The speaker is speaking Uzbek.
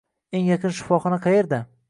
Eng yaqin shifoxona qayerda?